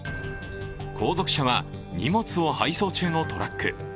後続車は荷物を配送中のトラック。